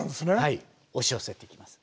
はい押し寄せてきます。